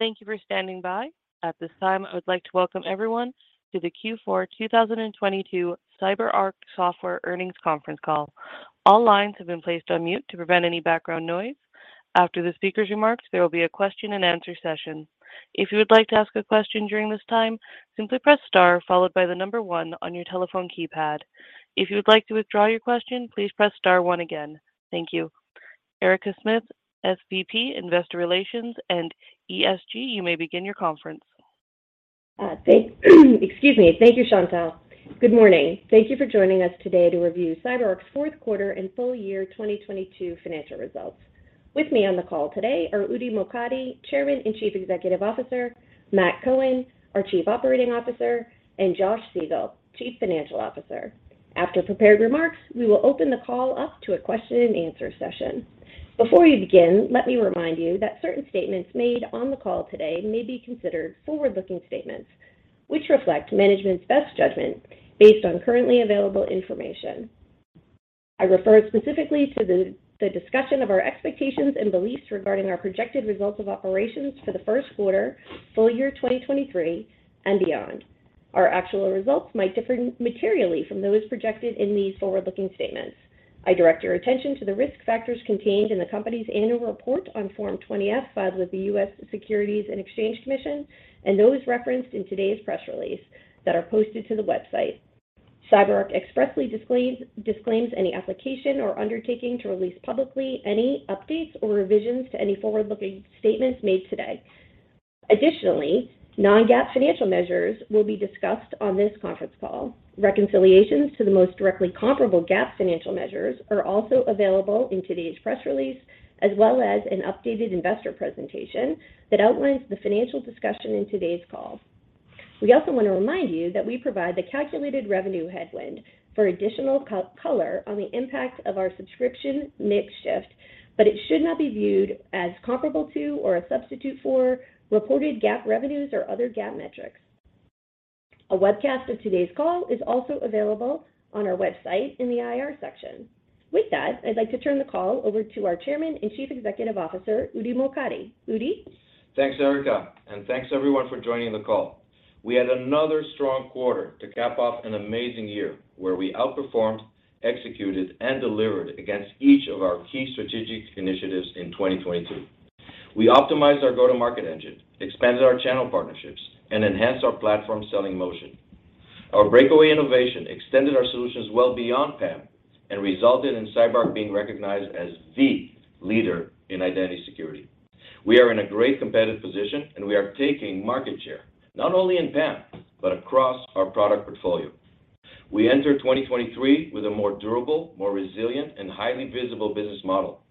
Thank you for standing by. At this time, I would like to welcome everyone to the Q4 2022 CyberArk Software earnings conference call. All lines have been placed on mute to prevent any background noise. After the speaker's remarks, there will be a question and answer session. If you would like to ask a question during this time, simply press star followed by the one on your telephone keypad. If you would like to withdraw your question, please press star one again. Thank you. Erica Smith, SVP, Investor Relations and ESG, you may begin your conference. Thank you, Shantel. Good morning. Thank you for joining us today to review CyberArk's fourth quarter and full year 2022 financial results. With me on the call today are Udi Mokady, Chairman and Chief Executive Officer, Matt Cohen, our Chief Operating Officer, and Josh Siegel, Chief Financial Officer. After prepared remarks, we will open the call up to a question-and-answer session. Before we begin, let me remind you that certain statements made on the call today may be considered forward-looking statements, which reflect management's best judgment based on currently available information. I refer specifically to the discussion of our expectations and beliefs regarding our projected results of operations for the first quarter, full year 2023 and beyond. Our actual results might differ materially from those projected in these forward-looking statements. I direct your attention to the risk factors contained in the company's annual report on Form 20-F filed with the U.S. Securities and Exchange Commission, and those referenced in today's press release that are posted to the website. CyberArk expressly disclaims any application or undertaking to release publicly any updates or revisions to any forward-looking statements made today. Additionally, non-GAAP financial measures will be discussed on this conference call. Reconciliations to the most directly comparable GAAP financial measures are also available in today's press release, as well as an updated investor presentation that outlines the financial discussion in today's call. We also want to remind you that we provide the calculated revenue headwind for additional color on the impact of our subscription mix shift, but it should not be viewed as comparable to or a substitute for reported GAAP revenues or other GAAP metrics. A webcast of today's call is also available on our website in the IR section. With that, I'd like to turn the call over to our Chairman and Chief Executive Officer, Udi Mokady. Udi. Thanks, Erica, thanks everyone for joining the call. We had another strong quarter to cap off an amazing year where we outperformed, executed, and delivered against each of our key strategic initiatives in 2022. We optimized our go-to-market engine, expanded our channel partnerships, and enhanced our platform selling motion. Our breakaway innovation extended our solutions well beyond PAM and resulted in CyberArk being recognized as the leader in identity security. We are in a great competitive position, and we are taking market share, not only in PAM, but across our product portfolio. We enter 2023 with a more durable, more resilient, and highly visible business model.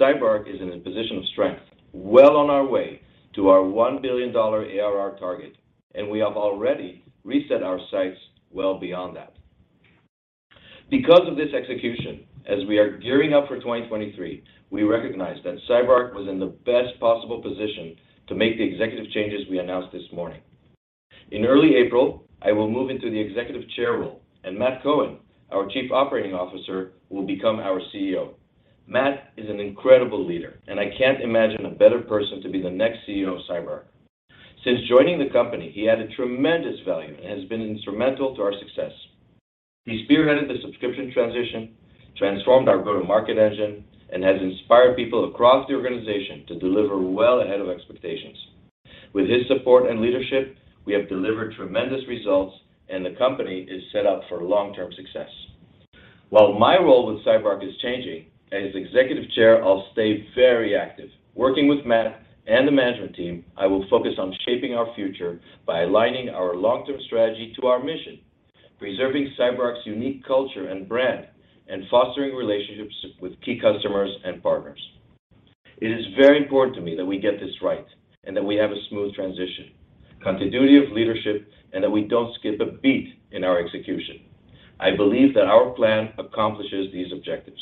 CyberArk is in a position of strength, well on our way to our $1 billion ARR target, and we have already reset our sights well beyond that. Because of this execution, as we are gearing up for 2023, we recognize that CyberArk was in the best possible position to make the executive changes we announced this morning. In early April, I will move into the Executive Chair role, and Matt Cohen, our Chief Operating Officer, will become our CEO. Matt is an incredible leader, and I can't imagine a better person to be the next CEO of CyberArk. Since joining the company, he added tremendous value and has been instrumental to our success. He spearheaded the subscription transition, transformed our go-to-market engine, and has inspired people across the organization to deliver well ahead of expectations. With his support and leadership, we have delivered tremendous results, and the company is set up for long-term success. While my role with CyberArk is changing, as Executive Chair, I'll stay very active. Working with Matt and the management team, I will focus on shaping our future by aligning our long-term strategy to our mission, preserving CyberArk's unique culture and brand, and fostering relationships with key customers and partners. It is very important to me that we get this right and that we have a smooth transition, continuity of leadership, and that we don't skip a beat in our execution. I believe that our plan accomplishes these objectives.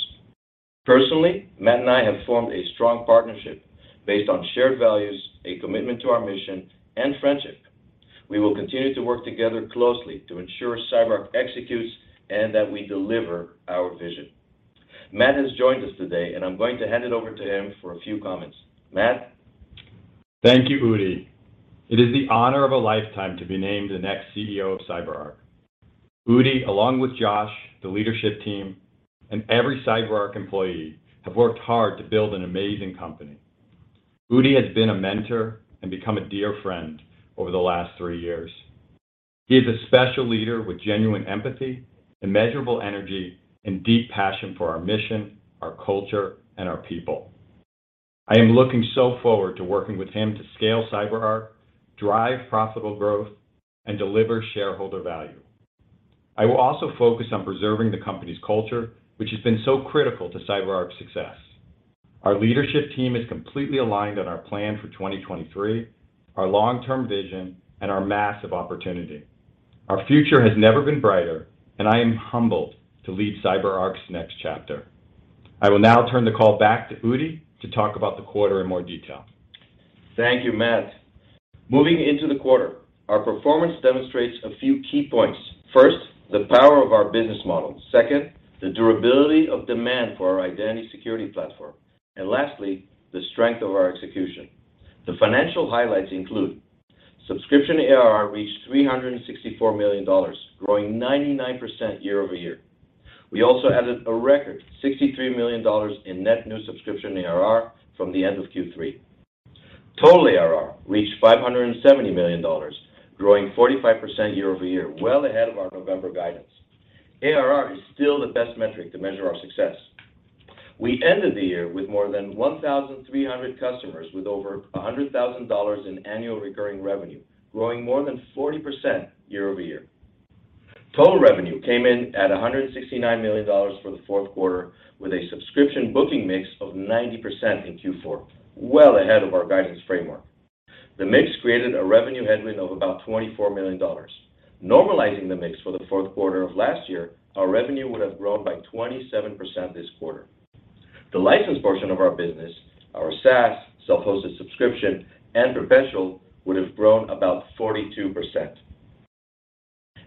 Personally, Matt and I have formed a strong partnership based on shared values, a commitment to our mission, and friendship. We will continue to work together closely to ensure CyberArk executes and that we deliver our vision. Matt has joined us today, and I'm going to hand it over to him for a few comments. Matt. Thank you, Udi. It is the honor of a lifetime to be named the next CEO of CyberArk. Udi, along with Josh, the leadership team, and every CyberArk employee, have worked hard to build an amazing company. Udi has been a mentor and become a dear friend over the last three years. He is a special leader with genuine empathy, immeasurable energy, and deep passion for our mission, our culture, and our people. I am looking so forward to working with him to scale CyberArk, drive profitable growth, and deliver shareholder value. I will also focus on preserving the company's culture, which has been so critical to CyberArk's success. Our leadership team is completely aligned on our plan for 2023, our long-term vision, and our massive opportunity. Our future has never been brighter, and I am humbled to lead CyberArk's next chapter. I will now turn the call back to Udi to talk about the quarter in more detail. Thank you, Matt. Moving into the quarter, our performance demonstrates a few key points. First, the power of our business model. Second, the durability of demand for our Identity Security platform. Lastly, the strength of our execution. The financial highlights include subscription ARR reached $364 million, growing 99% year-over-year. We also added a record $63 million in net new subscription ARR from the end of Q3. Total ARR reached $570 million, growing 45% year-over-year, well ahead of our November guidance. ARR is still the best metric to measure our success. We ended the year with more than 1,300 customers with over $100,000 in annual recurring revenue, growing more than 40% year-over-year. Total revenue came in at $169 million for the fourth quarter, with a subscription bookings mix of 90% in Q4, well ahead of our guidance framework. The mix created a revenue headwind of about $24 million. Normalizing the mix for the fourth quarter of last year, our revenue would have grown by 27% this quarter. The license portion of our business, our SaaS, self-hosted subscription, and professional, would have grown about 42%.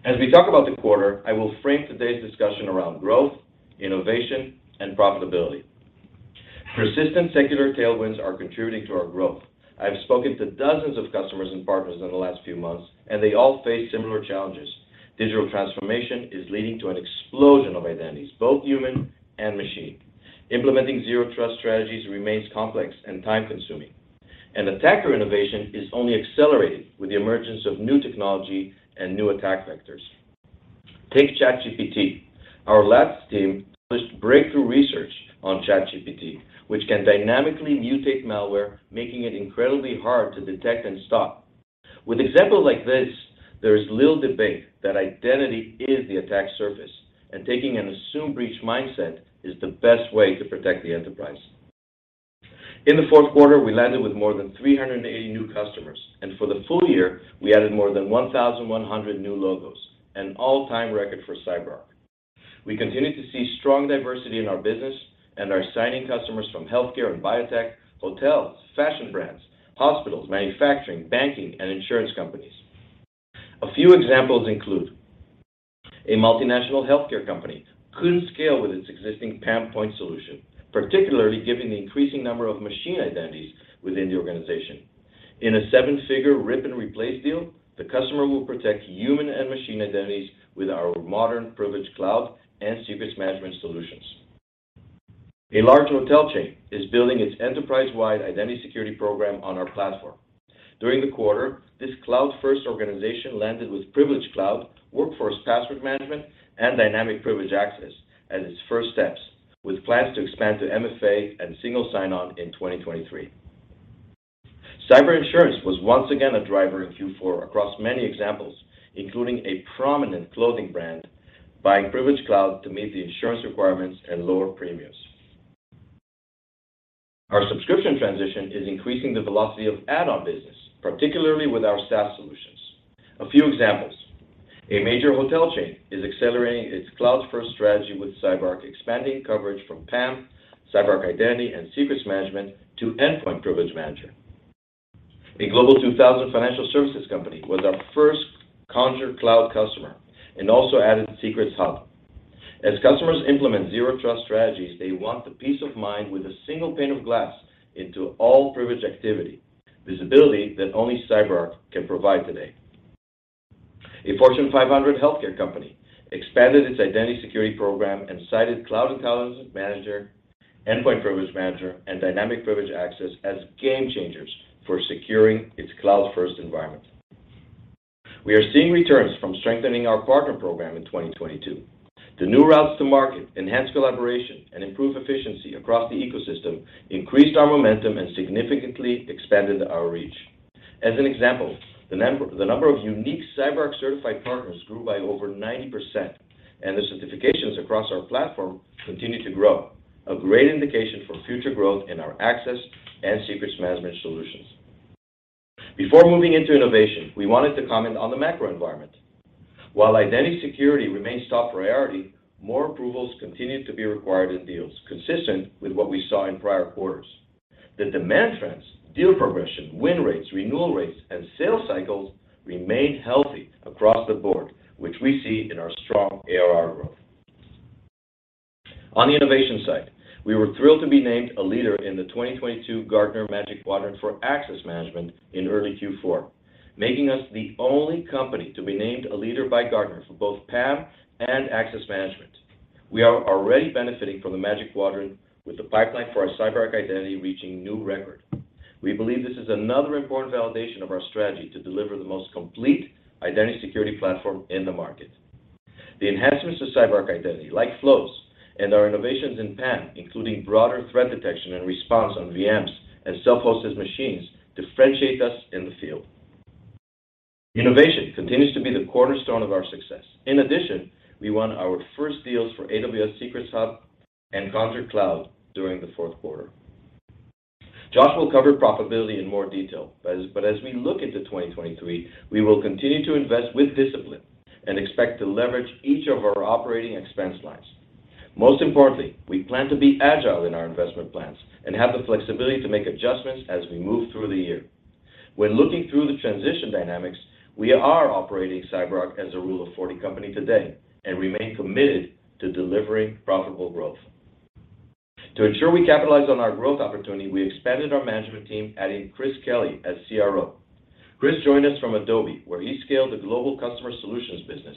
As we talk about the quarter, I will frame today's discussion around growth, innovation, and profitability. Persistent secular tailwinds are contributing to our growth. I've spoken to dozens of customers and partners in the last few months, and they all face similar challenges. Digital transformation is leading to an explosion of identities, both human and machine. Implementing zero trust strategies remains complex and time-consuming. Attacker innovation is only accelerating with the emergence of new technology and new attack vectors. Take ChatGPT. Our labs team published breakthrough research on ChatGPT, which can dynamically mutate malware, making it incredibly hard to detect and stop. With examples like this, there is little debate that identity is the attack surface, and taking an assume breach mindset is the best way to protect the enterprise. In the fourth quarter, we landed with more than 380 new customers, and for the full year, we added more than 1,100 new logos, an all-time record for CyberArk. We continue to see strong diversity in our business and are signing customers from healthcare and biotech, hotels, fashion brands, hospitals, manufacturing, banking, and insurance companies. A few examples include a multinational healthcare company couldn't scale with its existing PAM point solution, particularly given the increasing number of machine identities within the organization. In a seven-figure rip-and-replace deal, the customer will protect human and machine identities with our modern Privileged Cloud and Secrets Management solutions. A large hotel chain is building its enterprise-wide identity security program on our platform. During the quarter, this cloud-first organization landed with Privileged Cloud, Workforce Password Management, and Dynamic Privileged Access as its first steps, with plans to expand to MFA and single sign-on in 2023. Cyber insurance was once again a driver in Q4 across many examples, including a prominent clothing brand buying Privileged Cloud to meet the insurance requirements and lower premiums. Our subscription transition is increasing the velocity of add-on business, particularly with our SaaS solutions. A few examples. A major hotel chain is accelerating its cloud-first strategy with CyberArk expanding coverage from PAM, CyberArk Identity and Secrets Management to Endpoint Privilege Manager. A Global 2000 financial services company was our first Conjur Cloud customer and also added Secrets Hub. As customers implement zero trust strategies, they want the peace of mind with a single pane of glass into all privileged activity, visibility that only CyberArk can provide today. A Fortune 500 healthcare company expanded its identity security program and cited Cloud Entitlements Manager, Endpoint Privilege Manager, and Dynamic Privileged Access as game changers for securing its cloud-first environment. We are seeing returns from strengthening our partner program in 2022. The new routes to market, enhanced collaboration, and improved efficiency across the ecosystem increased our momentum and significantly expanded our reach. As an example, the number of unique CyberArk-certified partners grew by over 90%, and the certifications across our platform continued to grow, a great indication for future growth in our Access and Secrets Management solutions. Before moving into innovation, we wanted to comment on the macro environment. While identity security remains top priority, more approvals continued to be required in deals, consistent with what we saw in prior quarters. The demand trends, deal progression, win rates, renewal rates, and sales cycles remained healthy across the board, which we see in our strong ARR growth. On the innovation side, we were thrilled to be named a leader in the 2022 Gartner Magic Quadrant for Access Management in early Q4, making us the only company to be named a leader by Gartner for both PAM and Access Management. We are already benefiting from the Magic Quadrant with the pipeline for our CyberArk Identity reaching new record. We believe this is another important validation of our strategy to deliver the most complete identity security platform in the market. The enhancements to CyberArk Identity, like Flows and our innovations in PAM, including broader threat detection and response on VMs and self-hosted machines, differentiate us in the field. Innovation continues to be the cornerstone of our success. In addition, we won our first deals for AWS Secrets Hub and Conjur Cloud during the fourth quarter. Josh will cover profitability in more detail, but as we look into 2023, we will continue to invest with discipline and expect to leverage each of our operating expense lines. Most importantly, we plan to be agile in our investment plans and have the flexibility to make adjustments as we move through the year. When looking through the transition dynamics, we are operating CyberArk as a rule of 40 company today and remain committed to delivering profitable growth. To ensure we capitalize on our growth opportunity, we expanded our management team, adding Chris Kelly as CRO. Chris joined us from Adobe, where he scaled the global customer solutions business.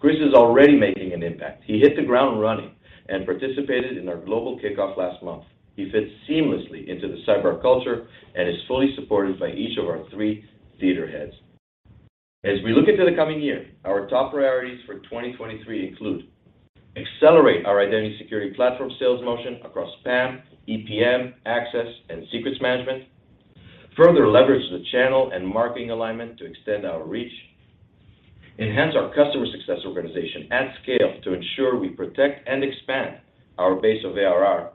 Chris is already making an impact. He hit the ground running and participated in our global kickoff last month. He fits seamlessly into the CyberArk culture and is fully supported by each of our three theater heads. As we look into the coming year, our top priorities for 2023 include accelerate our Identity Security Platform sales motion across PAM, EPM, access, and Secrets Management. Further leverage the channel and marketing alignment to extend our reach. Enhance our customer success organization at scale to ensure we protect and expand our base of ARR,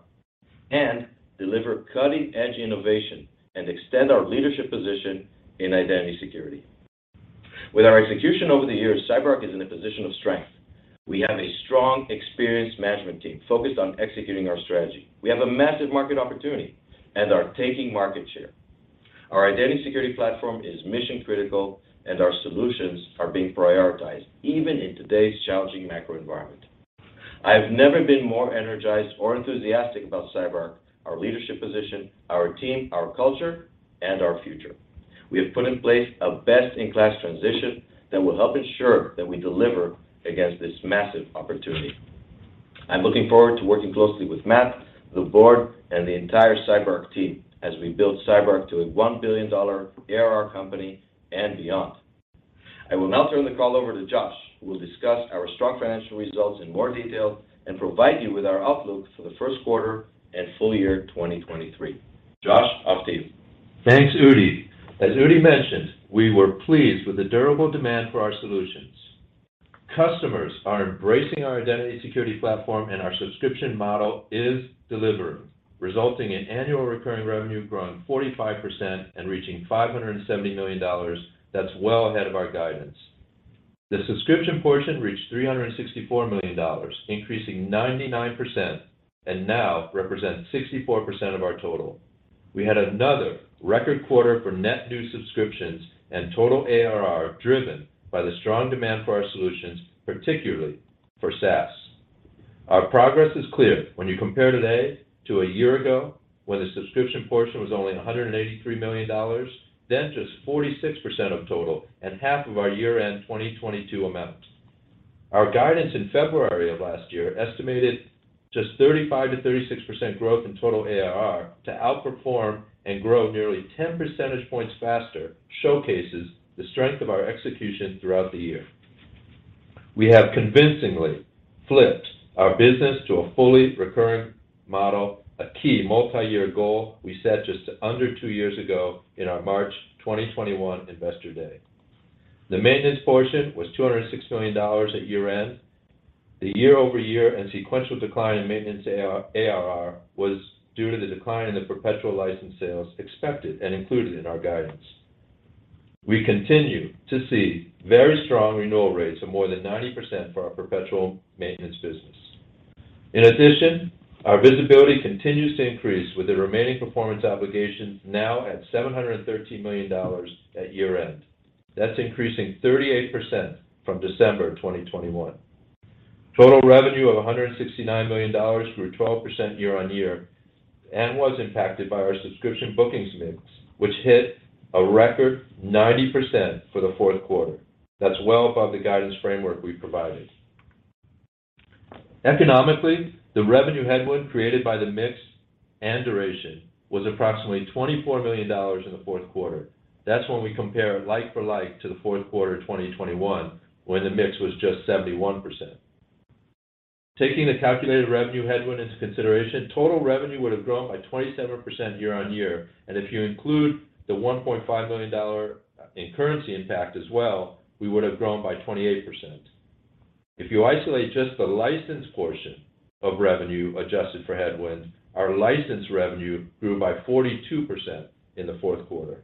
and deliver cutting-edge innovation and extend our leadership position in identity security. With our execution over the years, CyberArk is in a position of strength. We have a strong, experienced management team focused on executing our strategy. We have a massive market opportunity and are taking market share. Our Identity Security Platform is mission-critical, and our solutions are being prioritized even in today's challenging macro environment. I have never been more energized or enthusiastic about CyberArk, our leadership position, our team, our culture, and our future. We have put in place a best-in-class transition that will help ensure that we deliver against this massive opportunity. I'm looking forward to working closely with Matt, the board, and the entire CyberArk team as we build CyberArk to a one billion dollar ARR company and beyond. I will now turn the call over to Josh, who will discuss our strong financial results in more detail and provide you with our outlook for the first quarter and full year 2023. Josh, off to you. Thanks, Udi. As Udi mentioned, we were pleased with the durable demand for our solutions. Customers are embracing our Identity Security Platform, and our subscription model is delivering, resulting in annual recurring revenue growing 45% and reaching $570 million. That's well ahead of our guidance. The subscription portion reached $364 million, increasing 99%, and now represents 64% of our total. We had another record quarter for net new subscriptions and total ARR driven by the strong demand for our solutions, particularly for SaaS. Our progress is clear when you compare today to a year ago when the subscription portion was only $183 million, then just 46% of total and half of our year-end 2022 amount. Our guidance in February of last year estimated just 35%-36% growth in total ARR to outperform and grow nearly 10 percentage points faster, showcases the strength of our execution throughout the year. We have convincingly flipped our business to a fully recurring model, a key multi-year goal we set just under two years ago in our March 2021 Investor Day. The maintenance ARR was $206 million at year-end. The year-over-year and sequential decline in maintenance ARR was due to the decline in the perpetual license sales expected and included in our guidance. We continue to see very strong renewal rates of more than 90% for our perpetual maintenance business. Our visibility continues to increase with the remaining performance obligations now at $713 million at year-end. That's increasing 38% from December 2021. Total revenue of $169 million grew 12% year-over-year and was impacted by our subscription bookings mix, which hit a record 90% for the fourth quarter. That's well above the guidance framework we provided. Economically, the revenue headwind created by the mix and duration was approximately $24 million in the fourth quarter. That's when we compare like-for-like to the fourth quarter 2021, when the mix was just 71%. Taking the calculated revenue headwind into consideration, total revenue would have grown by 27% year-over-year. If you include the $1.5 million in currency impact as well, we would have grown by 28%. If you isolate just the license portion of revenue adjusted for headwind, our license revenue grew by 42% in the fourth quarter.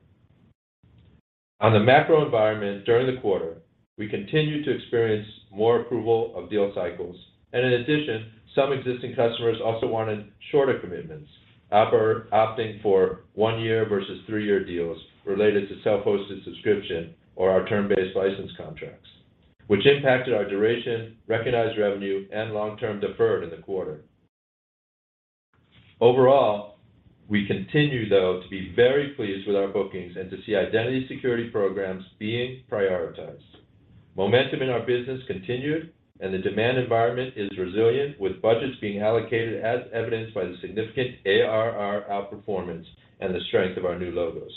On the macro environment during the quarter, we continued to experience more approval layers of deal cycles. In addition, some existing customers also wanted shorter commitments, opting for one-year versus three-year deals related to self-hosted subscription or our term-based license contracts, which impacted our duration, recognized revenue, and long-term deferred in the quarter. We continue, though, to be very pleased with our bookings and to see identity security programs being prioritized. Momentum in our business continued, the demand environment is resilient, with budgets being allocated as evidenced by the significant ARR outperformance and the strength of our new logos.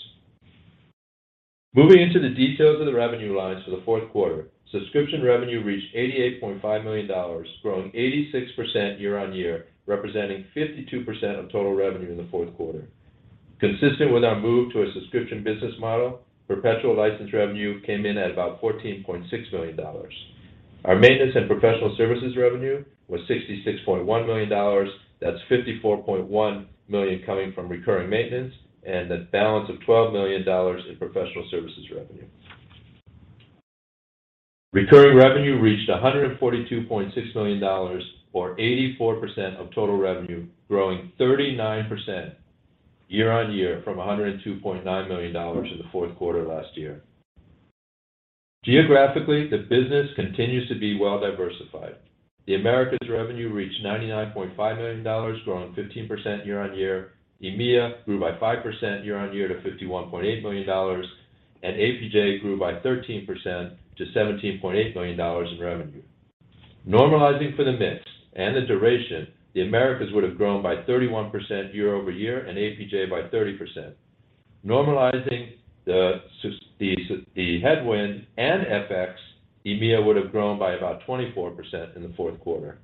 Moving into the details of the revenue lines for the fourth quarter, subscription revenue reached $88.5 million, growing 86% year-on-year, representing 52% of total revenue in the fourth quarter. Consistent with our move to a subscription business model, perpetual license revenue came in at about $14.6 million. Our maintenance and professional services revenue was $66.1 million. That's $54.1 million coming from recurring maintenance and a balance of $12 million in professional services revenue. Recurring revenue reached $142.6 million or 84% of total revenue, growing 39% year-on-year from $102.9 million in the fourth quarter last year. Geographically, the business continues to be well-diversified. The Americas revenue reached $99.5 million, growing 15% year-on-year. EMEA grew by 5% year-on-year to $51.8 million, and APJ grew by 13% to $17.8 million in revenue. Normalizing for the mix and the duration, the Americas would have grown by 31% year-over-year and APJ by 30%. Normalizing the headwind and FX, EMEA would have grown by about 24% in the fourth quarter.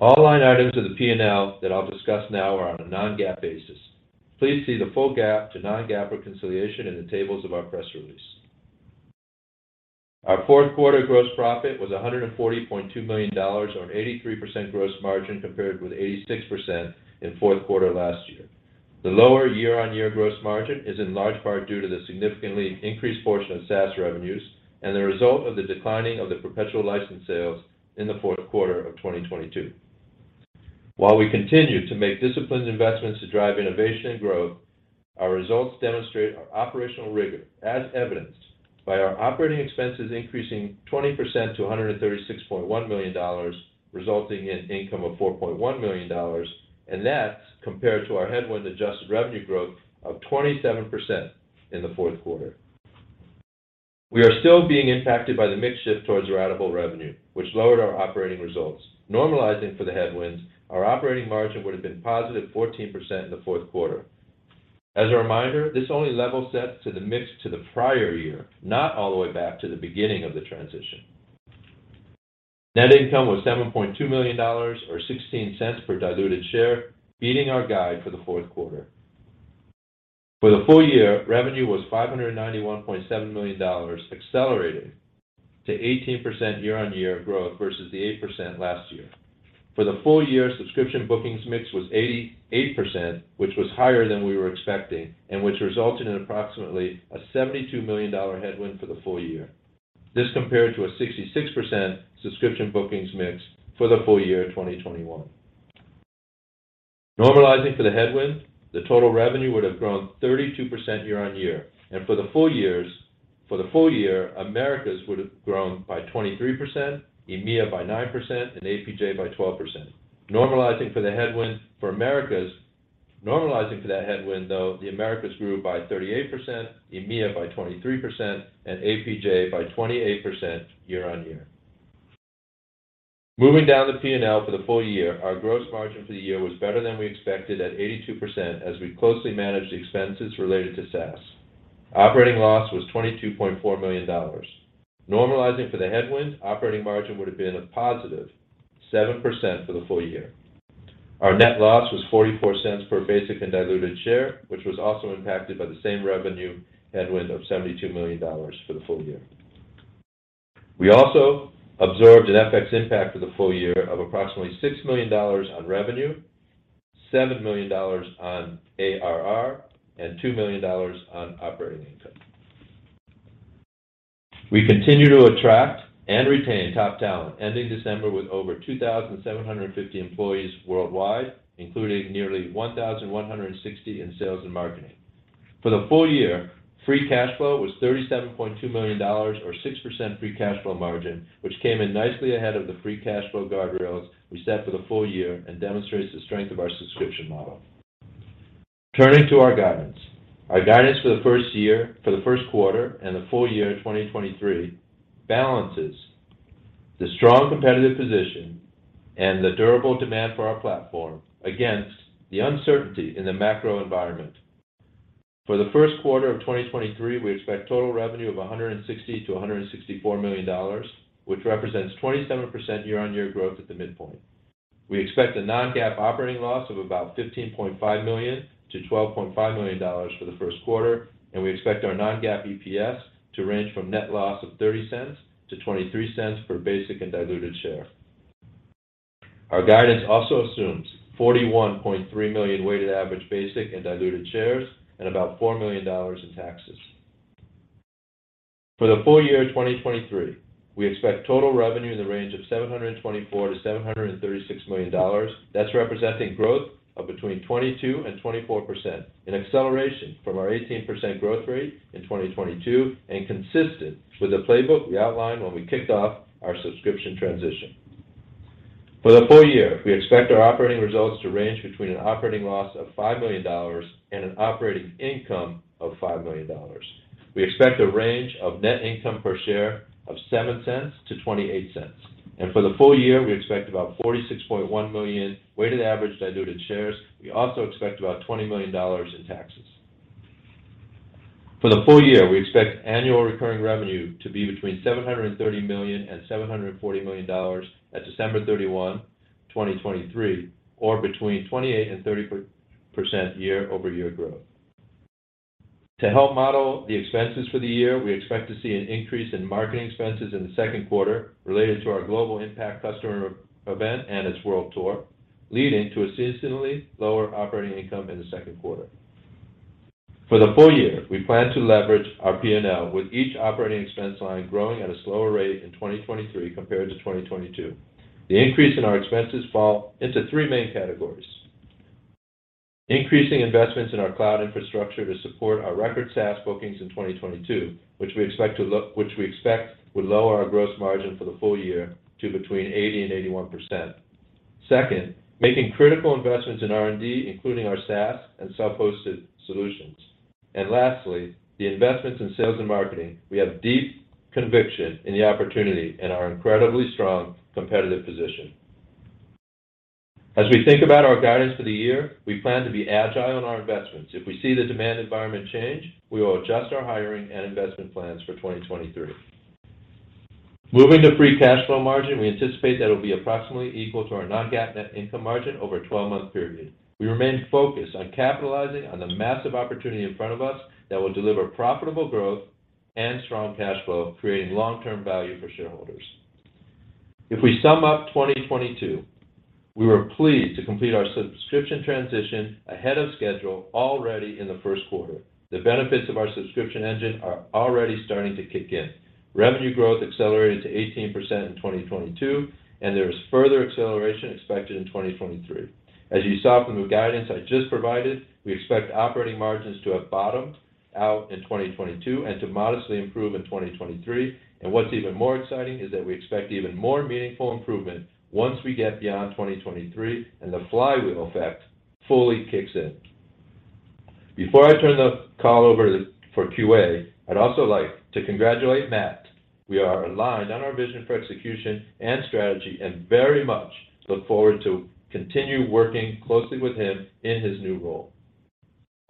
All line items of the P&L that I'll discuss now are on a non-GAAP basis. Please see the full GAAP to non-GAAP reconciliation in the tables of our press release. Our fourth quarter gross profit was $140.2 million on 83% gross margin compared with 86% in fourth quarter last year. The lower year-on-year gross margin is in large part due to the significantly increased portion of SaaS revenues and the result of the declining of the perpetual license sales in the fourth quarter of 2022. While we continue to make disciplined investments to drive innovation and growth, our results demonstrate our operational rigor as evidenced by our operating expenses increasing 20% to $136.1 million, resulting in income of $4.1 million. That's compared to our headwind-adjusted revenue growth of 27% in the fourth quarter. We are still being impacted by the mix shift towards ratable revenue, which lowered our operating results. Normalizing for the headwinds, our operating margin would have been positive 14% in the fourth quarter. As a reminder, this only level sets to the mix to the prior year, not all the way back to the beginning of the transition. Net income was $7.2 million or $0.16 per diluted share, beating our guide for the fourth quarter. For the full year, revenue was $591.7 million, accelerating to 18% year-on-year growth versus the 8% last year. For the full year, subscription bookings mix was 88%, which was higher than we were expecting and which resulted in approximately a $72 million headwind for the full year. This compared to a 66% subscription bookings mix for the full year 2021. Normalizing for the headwind, the total revenue would have grown 32% year-on-year. For the full year, Americas would have grown by 23%, EMEA by 9%, and APJ by 12%. Normalizing for that headwind, though, the Americas grew by 38%, EMEA by 23%, and APJ by 28% year-on-year. Moving down the P&L for the full year, our gross margin for the year was better than we expected at 82% as we closely managed the expenses related to SaaS. Operating loss was $22.4 million. Normalizing for the headwind, operating margin would have been a positive 7% for the full year. Our net loss was $0.44 per basic and diluted share, which was also impacted by the same revenue headwind of $72 million for the full year. We also observed an FX impact for the full year of approximately $6 million on revenue, $7 million on ARR, and $2 million on operating income. We continue to attract and retain top talent, ending December with over 2,750 employees worldwide, including nearly 1,160 in sales and marketing. For the full year, free cash flow was $37.2 million or 6% free cash flow margin, which came in nicely ahead of the free cash flow guardrails we set for the full year and demonstrates the strength of our subscription model. Turning to our guidance. Our guidance for the first quarter and the full year 2023 balances the strong competitive position and the durable demand for our platform against the uncertainty in the macro environment. For the first quarter of 2023, we expect total revenue of $160 million-$164 million, which represents 27% year-over-year growth at the midpoint. We expect a non-GAAP operating loss of about $15.5 million-$12.5 million for the first quarter. We expect our non-GAAP EPS to range from net loss of $0.30-$0.23 per basic and diluted share. Our guidance also assumes 41.3 million weighted average basic and diluted shares and about $4 million in taxes. For the full year 2023, we expect total revenue in the range of $724 million-$736 million. That's representing growth of between 22% and 24%, an acceleration from our 18% growth rate in 2022 and consistent with the playbook we outlined when we kicked off our subscription transition. For the full year, we expect our operating results to range between an operating loss of $5 million and an operating income of $5 million. We expect a range of net income per share of $0.07 to $0.28. For the full year, we expect about 46.1 million weighted average diluted shares. We also expect about $20 million in taxes. For the full year, we expect annual recurring revenue to be between $730 million and $740 million at December 31, 2023, or between 28% and 30% year-over-year growth. To help model the expenses for the year, we expect to see an increase in marketing expenses in the second quarter related to our Global Impact customer event and its world tour. Leading to a seasonally lower operating income in the second quarter. For the full year, we plan to leverage our P&L with each operating expense line growing at a slower rate in 2023 compared to 2022. The increase in our expenses fall into three main categories. Increasing investments in our cloud infrastructure to support our record SaaS bookings in 2022, which we expect would lower our gross margin for the full year to between 80% and 81%. Second, making critical investments in R&D, including our SaaS and self-hosted solutions. Lastly, the investments in sales and marketing. We have deep conviction in the opportunity and our incredibly strong competitive position. As we think about our guidance for the year, we plan to be agile in our investments. If we see the demand environment change, we will adjust our hiring and investment plans for 2023. Moving to free cash flow margin, we anticipate that it will be approximately equal to our non-GAAP net income margin over a 12-month period. We remain focused on capitalizing on the massive opportunity in front of us that will deliver profitable growth and strong cash flow, creating long-term value for shareholders. If we sum up 2022, we were pleased to complete our subscription transition ahead of schedule already in the first quarter. The benefits of our subscription engine are already starting to kick in. Revenue growth accelerated to 18% in 2022, and there is further acceleration expected in 2023. As you saw from the guidance I just provided, we expect operating margins to have bottomed out in 2022 and to modestly improve in 2023. What's even more exciting is that we expect even more meaningful improvement once we get beyond 2023 and the flywheel effect fully kicks in. Before I turn the call over for QA, I'd also like to congratulate Matt. We are aligned on our vision for execution and strategy, and very much look forward to continue working closely with him in his new role.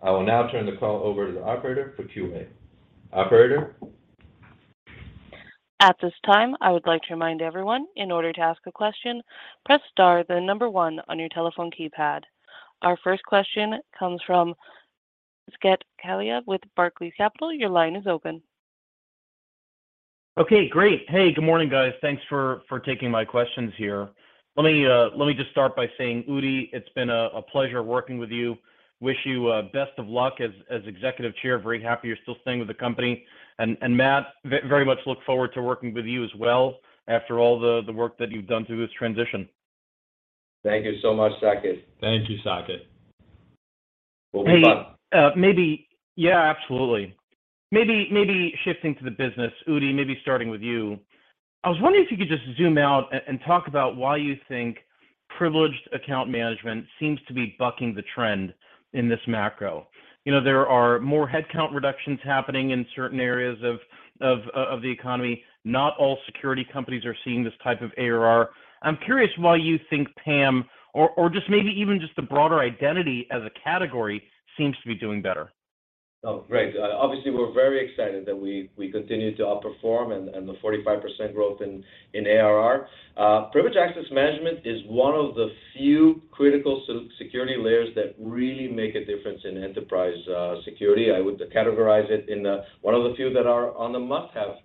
I will now turn the call over to the operator for QA. Operator? At this time, I would like to remind everyone, in order to ask a question, press star, then one on your telephone keypad. Our first question comes from Saket Kalia with Barclays Capital. Your line is open. Okay, great. Hey, good morning, guys. Thanks for taking my questions here. Let me just start by saying, Udi, it's been a pleasure working with you. Wish you best of luck as executive chair. Very happy you're still staying with the company. Matt, very much look forward to working with you as well after all the work that you've done through this transition. Thank you so much, Saket. Thank you, Saket. Maybe shifting to the business, Udi, maybe starting with you. I was wondering if you could just zoom out and talk about why you think Privileged Access Management seems to be bucking the trend in this macro? You know, there are more headcount reductions happening in certain areas of the economy. Not all security companies are seeing this type of ARR. I'm curious why you think PAM or just maybe even just the broader identity as a category seems to be doing better? Oh, great. obviously, we're very excited that we continue to outperform and the 45% growth in ARR. Privileged Access Management is one of the few critical security layers that really make a difference in enterprise security. I would categorize it in one of the few that are on the must-have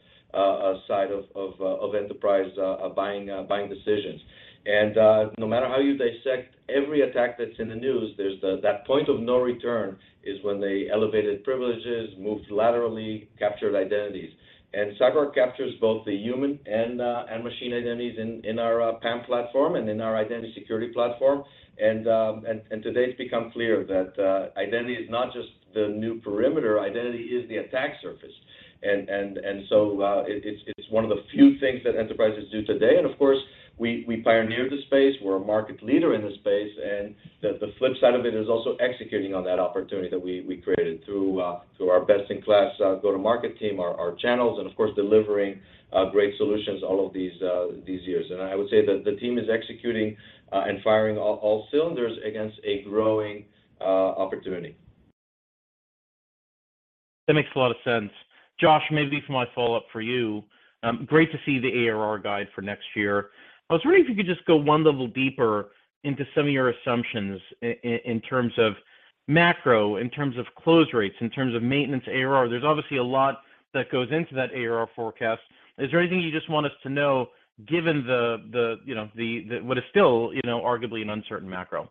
side of enterprise buying decisions. No matter how you dissect every attack that's in the news, that point of no return is when they elevated privileges, moved laterally, captured identities. CyberArk captures both the human and machine identities in our PAM platform and in our Identity Security Platform. Today it's become clear that identity is not just the new perimeter, identity is the attack surface. It's one of the few things that enterprises do today. Of course, we pioneered the space, we're a market leader in this space, and the flip side of it is also executing on that opportunity that we created through our best-in-class go-to-market team, our channels, and of course, delivering great solutions all of these years. I would say that the team is executing and firing all cylinders against a growing opportunity. That makes a lot of sense. Josh, maybe for my follow-up for you. Great to see the ARR guide for next year. I was wondering if you could just go one level deeper into some of your assumptions in terms of macro, in terms of close rates, in terms of maintenance ARR. There's obviously a lot that goes into that ARR forecast. Is there anything you just want us to know given the, you know, what is still, you know, arguably an uncertain macro?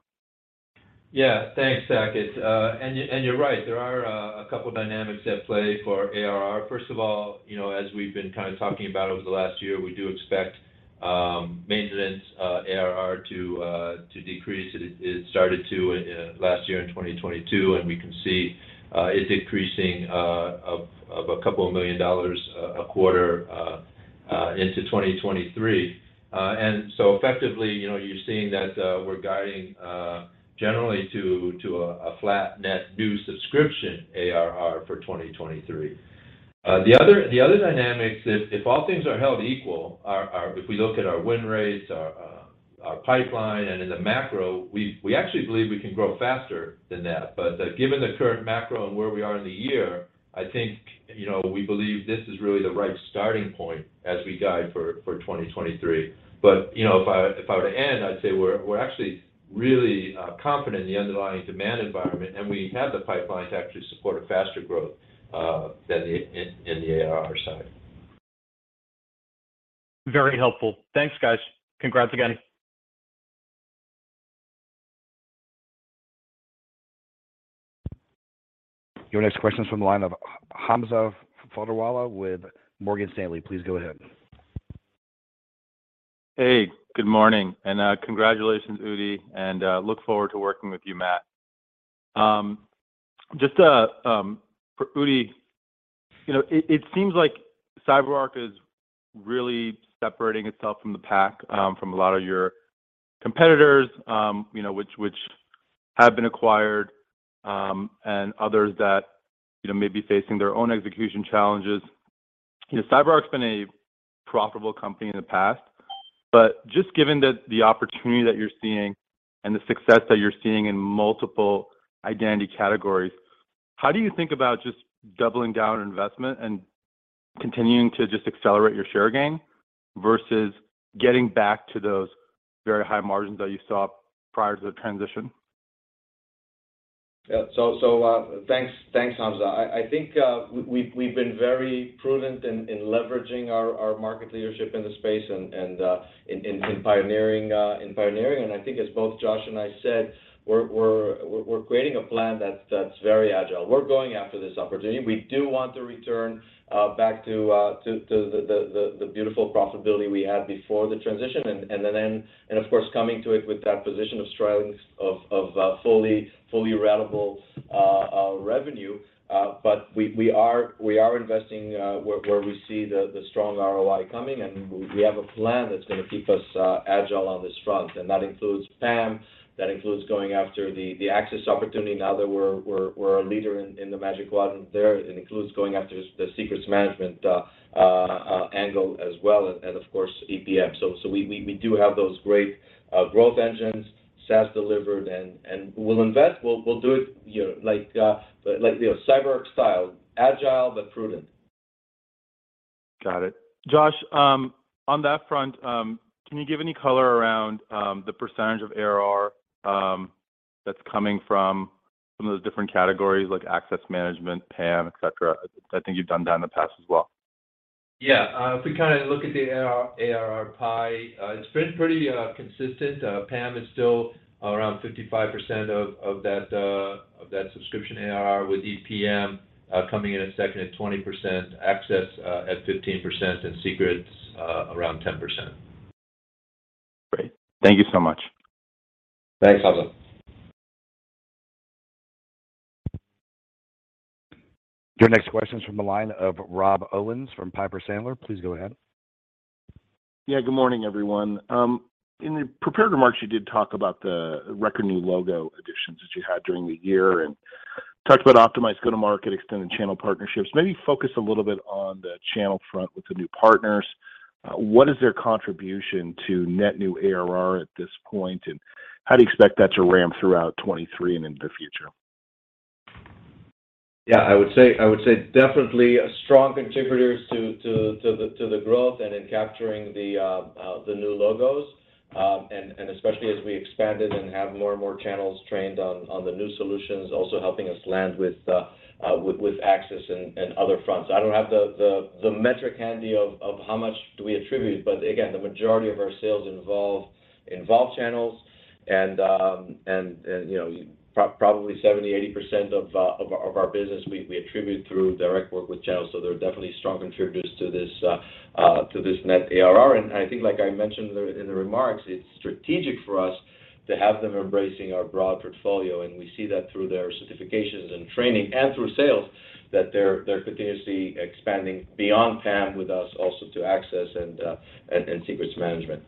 Yeah. Thanks, Saket. You, and you're right. There are a couple of dynamics at play for ARR. First of all, you know, as we've been kinda talking about over the last year, we do expect maintenance ARR to decrease. It started to last year in 2022, and we can see it decreasing by a couple of million dollars a quarter into 2023. So effectively, you know, you're seeing that we're guiding generally to a flat net new subscription ARR for 2023. The other dynamics, if all things are held equal, if we look at our win rates, our pipeline, and in the macro, we actually believe we can grow faster than that. Given the current macro and where we are in the year, I think, you know, we believe this is really the right starting point as we guide for 2023. You know, if I, if I were to end, I'd say we're actually really confident in the underlying demand environment, and we have the pipelines to actually support a faster growth than the, in the ARR side. Very helpful. Thanks, guys. Congrats again. Your next question is from the line of Hamza Fodderwala with Morgan Stanley. Please go ahead. Hey, good morning. Congratulations, Udi, and look forward to working with you, Matt. Just for Udi, you know, it seems like CyberArk is really separating itself from the pack, from a lot of your competitors, you know, which have been acquired, and others that, you know, may be facing their own execution challenges. You know, CyberArk's been a profitable company in the past, but just given the opportunity that you're seeing and the success that you're seeing in multiple identity categories, how do you think about just doubling down on investment and continuing to just accelerate your share gain versus getting back to those very high margins that you saw prior to the transition? Yeah. Thanks. Thanks, Hamza. I think we've been very prudent in leveraging our market leadership in the space and in pioneering. I think as both Josh and I said, we're creating a plan that's very agile. We're going after this opportunity. We do want to return back to the beautiful profitability we had before the transition, and then... Of course, coming to it with that position of strength of fully ratable revenue. We are investing where we see the strong ROI coming, and we have a plan that's gonna keep us agile on this front, and that includes PAM, that includes going after the access opportunity now that we're a leader in the Magic Quadrant there. It includes going after the Secrets Management angle as well, and of course, EPM. We do have those great growth engines, SaaS delivered, and we'll invest. We'll do it, you know, like, you know, CyberArk style: agile but prudent. Got it. Josh, on that front, can you give any color around the percentage of ARR that's coming from some of those different categories like access management, PAM, et cetera? I think you've done that in the past as well. Yeah. If we kinda look at the ARR composition, it's been pretty consistent. PAM is still around 55% of that subscription ARR, with EPM coming in at second at 20%, access at 15%, and secrets around 10%. Great. Thank you so much. Thanks, Hamza. Your next question is from the line of Rob Owens from Piper Sandler. Please go ahead. Yeah, good morning, everyone. In the prepared remarks, you did talk about the record new logo additions that you had during the year and talked about optimized go-to-market, extended channel partnerships. Maybe focus a little bit on the channel front with the new partners. What is their contribution to net new ARR at this point, and how do you expect that to ramp throughout 2023 and into the future? Yeah. I would say definitely strong contributors to the growth and in capturing the new logos. Especially as we expanded and have more and more channels trained on the new solutions, also helping us land with access and other fronts. I don't have the metric handy of how much do we attribute, but again, the majority of our sales involve channels and, you know, probably 70%-80% of our business we attribute through direct work with channels, so they're definitely strong contributors to this net ARR. I think like I mentioned in the remarks, it's strategic for us to have them embracing our broad portfolio, and we see that through their certifications and training and through sales, that they're continuously expanding beyond PAM with us also to Access and Secrets Management.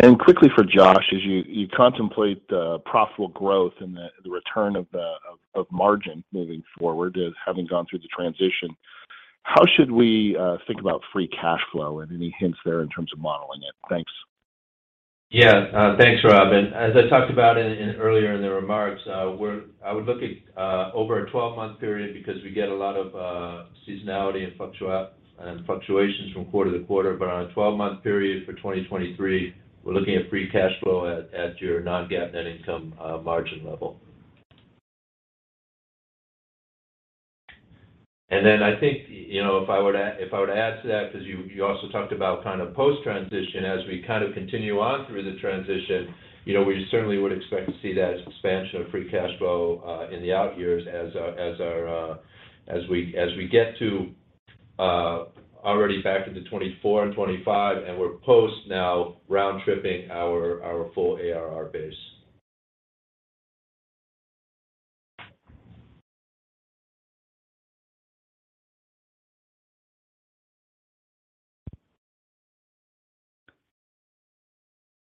Quickly for Josh, as you contemplate profitable growth and the return of margin moving forward as having gone through the transition, how should we think about free cash flow and any hints there in terms of modeling it? Thanks. Thanks, Rob. As I talked about in earlier in the remarks, I would look at over a 12-month period because we get a lot of seasonality and fluctuations from quarter to quarter. On a 12-month period for 2023, we're looking at free cash flow at your non-GAAP net income margin level. I think, you know, if I were to add to that, 'cause you also talked about kind of post-transition, as we kind of continue on through the transition, you know, we certainly would expect to see that expansion of free cash flow in the out years as our, as our, as we, as we get to already back into 2024 and 2025, and we're post now round-tripping our full ARR base.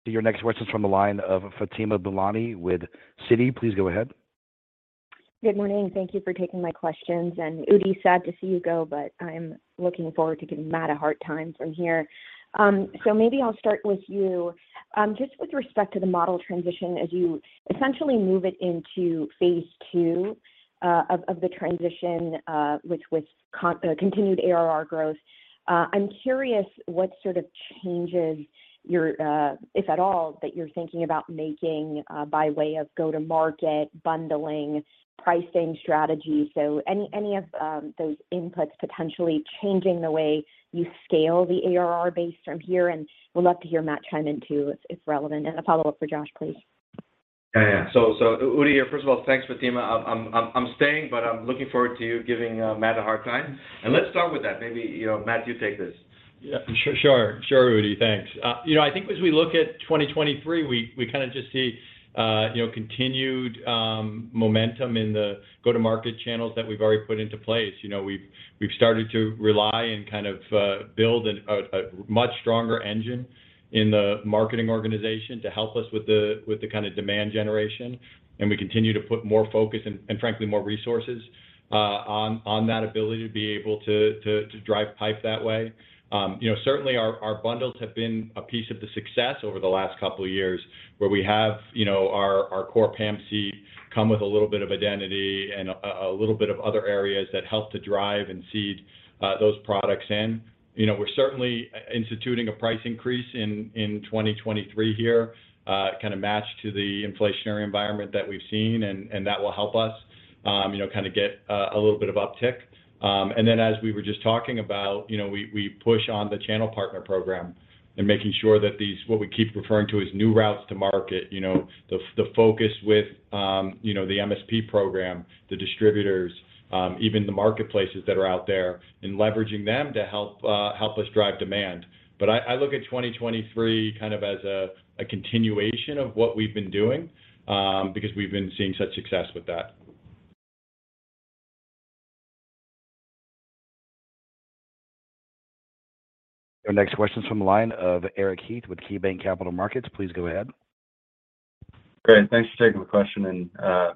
Your next question is from the line of Fatima Boolani with Citi. Please go ahead. Good morning. Thank you for taking my questions. Udi, sad to see you go, but I'm looking forward to giving Matt a hard time from here. Maybe I'll start with you. Just with respect to the model transition as you essentially move it into phase two of the transition, with continued ARR growth, I'm curious what sort of changes you're, if at all, that you're thinking about making by way of go-to-market, bundling, pricing strategy. Any, any of those inputs potentially changing the way you scale the ARR base from here. Would love to hear Matt chime in too if relevant. A follow-up for Josh, please. Udi here. First of all, thanks, Fatima. I'm staying, but I'm looking forward to you giving Matt a hard time. Let's start with that. Maybe, you know, Matt, you take this. Yeah, sure. Sure, Udi. Thanks. You know, I think as we look at 2023, we kind of just see, you know, continued momentum in the go-to-market channels that we've already put into place. You know, we've started to rely and kind of build a much stronger engine in the marketing organization to help us with the kind of demand generation. We continue to put more focus and frankly, more resources on that ability to be able to drive pipe that way. You know, certainly our bundles have been a piece of the success over the last couple of years, where we have, you know, our core PAM seat come with a little bit of identity and a little bit of other areas that help to drive and seed those products in. You know, we're certainly instituting a price increase in 2023 here, kind of matched to the inflationary environment that we've seen, and that will help us, you know, kind of get a little bit of uptick. As we were just talking about, you know, we push on the channel partner program and making sure that these, what we keep referring to as new routes to market, you know, the focus with, you know, the MSP program, the distributors, even the marketplaces that are out there, and leveraging them to help us drive demand. I look at 2023 kind of as a continuation of what we've been doing, because we've been seeing such success with that. Your next question's from the line of Eric Heath with KeyBanc Capital Markets. Please go ahead. Great. Thanks for taking the question, and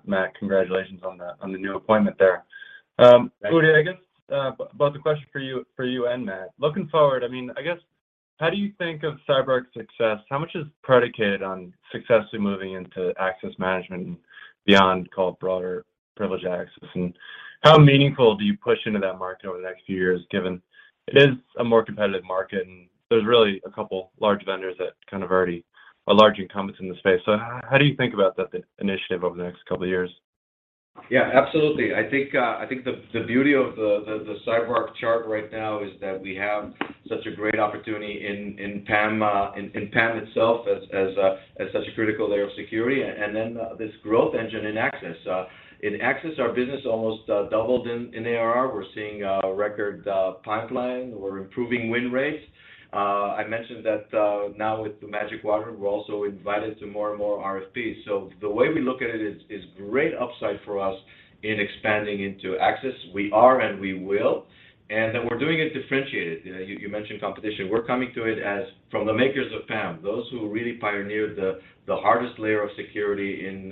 Matt, congratulations on the new appointment there. Thank you. Udi, I guess, about the question for you, for you and Matt. Looking forward, I mean, I guess, how do you think of CyberArk's success? How much is predicated on successfully moving into access management and beyond, call it broader privileged access? How meaningful do you push into that market over the next few years, given it is a more competitive market, and there's really a couple large vendors that kind of already are large incumbents in the space. How do you think about that initiative over the next couple of years? Yeah, absolutely. I think the beauty of the CyberArk chart right now is that we have such a great opportunity in PAM, in PAM itself as such a critical layer of security, and then this growth engine in access. In access, our business almost doubled in ARR. We're seeing record pipeline. We're improving win rates. I mentioned that now with the Magic Quadrant, we're also invited to more and more RFPs. The way we look at it is great upside for us in expanding into access. We are and we will, and that we're doing it differentiated. You mentioned competition. We're coming to it as from the makers of PAM, those who really pioneered the hardest layer of security in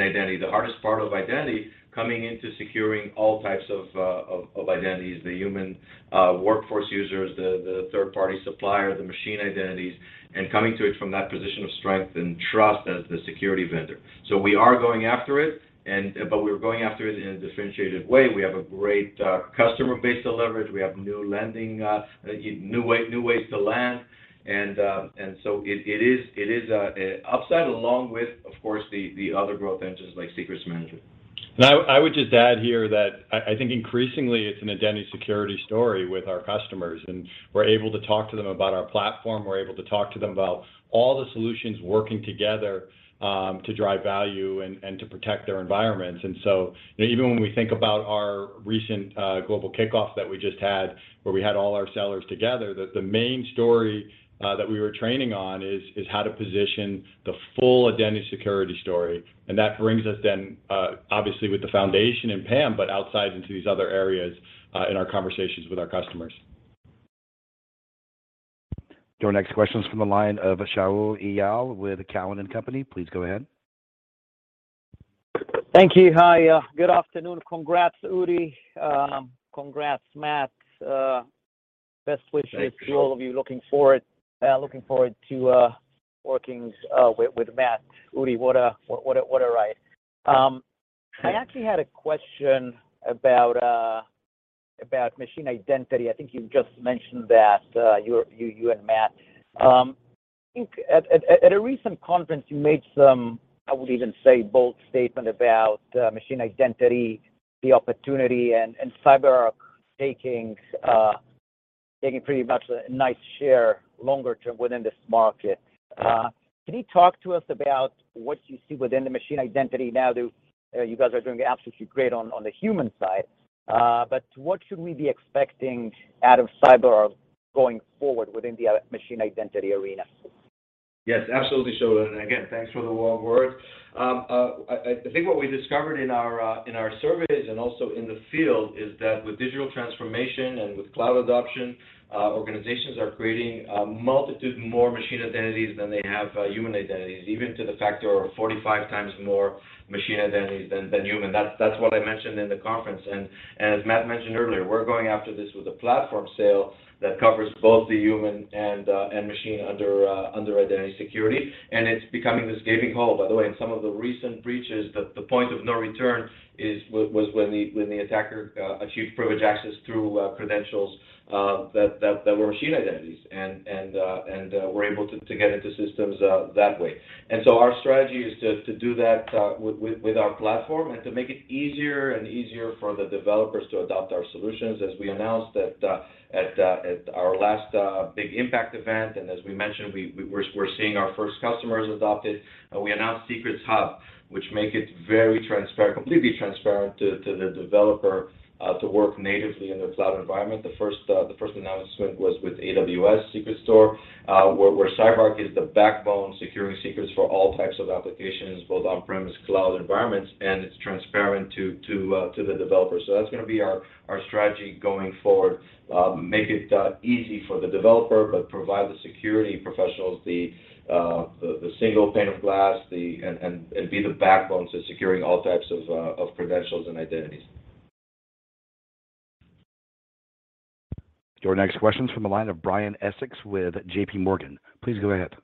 identity, the hardest part of identity, coming into securing all types of identities, the human workforce users, the third-party supplier, the machine identities, and coming to it from that position of strength and trust as the security vendor. We are going after it, but we're going after it in a differentiated way. We have a great customer base to leverage. We have new landings, new ways to land. It is a upside along with, of course, the other growth engines like Secrets Management. I would just add here that I think increasingly it's an Identity Security story with our customers, and we're able to talk to them about our platform. We're able to talk to them about all the solutions working together to drive value and to protect their environments. You know, even when we think about our recent global kickoff that we just had, where we had all our sellers together, the main story that we were training on is how to position the full Identity Security story. That brings us then obviously with the foundation in PAM, but outside into these other areas in our conversations with our customers. Your next question's from the line of Shaul Eyal with Cowen and Company. Please go ahead. Thank you. Hi, good afternoon. Congrats, Udi. Congrats, Matt. Thank you, Shaul. to all of you. Looking forward, looking forward to working with Matt. Udi, what a ride. I actually had a question about machine identity. I think you just mentioned that you and Matt. I think at a recent conference, you made some, I would even say, bold statement about machine identity, the opportunity, and CyberArk taking pretty much a nice share longer term within this market. Can you talk to us about what you see within the machine identity now that you guys are doing absolutely great on the human side. What should we be expecting out of CyberArk going forward within the machine identity arena? Yes, absolutely, Shaul. Again, thanks for the warm words. I think what we discovered in our surveys and also in the field is that with digital transformation and with cloud adoption, organizations are creating a multitude more machine identities than they have human identities, even to the factor of 45 times more machine identities than human. That's what I mentioned in the conference. As Matt mentioned earlier, we're going after this with a platform sale that covers both the human and machine under Identity Security. It's becoming this gaping hole. By the way, in some of the recent breaches, the point of no return was when the attacker achieved privileged access through credentials that were machine identities and were able to get into systems that way. Our strategy is to do that with our platform and to make it easier and easier for the developers to adopt our solutions. As we announced at our last big IMPACT event, and as we mentioned, we're seeing our first customers adopt it. We announced Secrets Hub, which make it very transparent, completely transparent to the developer to work natively in the cloud environment. The first announcement was with AWS Secrets Manager, where CyberArk is the backbone securing secrets for all types of applications, both on-premise and cloud environments, and it's transparent to the developer. That's gonna be our strategy going forward. Make it easy for the developer but provide the security professionals the single pane of glass, and be the backbone to securing all types of credentials and identities. Your next question's from the line of Brian Essex with JPMorgan. Please go ahead.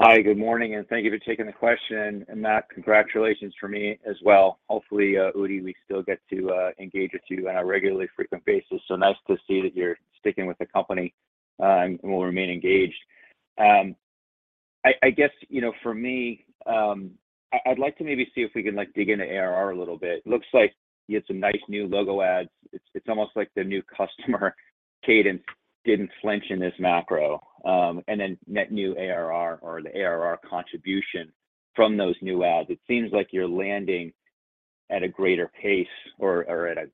Hi, good morning, and thank you for taking the question. Matt, congratulations from me as well. Hopefully, Udi, we still get to engage with you on a regularly frequent basis. Nice to see that you're sticking with the company, and we'll remain engaged. I guess, you know, for me, I'd like to maybe see if we can, like, dig into ARR a little bit. Looks like you had some nice new logo adds. It's almost like the new customer cadence didn't flinch in this macro. Net new ARR or the ARR contribution from those new adds, it seems like you're landing at a greater pace or at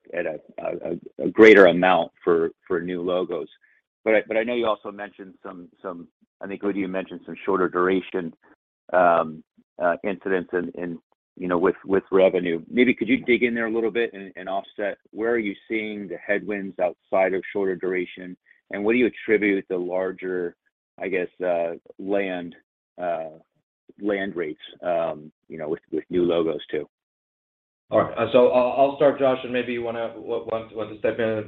a greater amount for new logos. I know you also mentioned some... I think, Udi, you mentioned some shorter duration instances in, you know, with revenue. Maybe could you dig in there a little bit and offset where are you seeing the headwinds outside of shorter duration, and what do you attribute the larger, I guess, land rates, you know, with new logos too? I'll start, Josh, and maybe you want to step in.